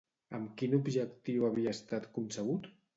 Amb quin objectiu havia estat concebut?